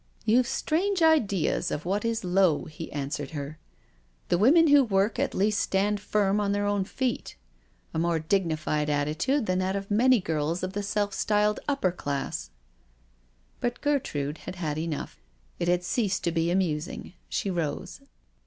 '* You've strange ideas of what is 'low/*' he answered her; " the women who work at least stand firm on their own feet — a more dignified attitude than that of many girls of the self styled upper classes.*' But Gertrude had had enough; it had ceased to be amusing. She rose.